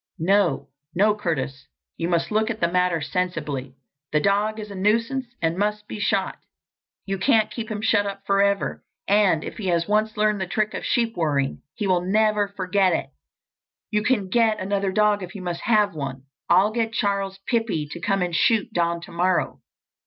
"No, no, Curtis, you must look at the matter sensibly. The dog is a nuisance and must be shot. You can't keep him shut up forever, and, if he has once learned the trick of sheep worrying, he will never forget it. You can get another dog if you must have one. I'll get Charles Pippey to come and shoot Don tomorrow.